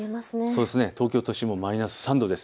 東京都心もマイナス３度です。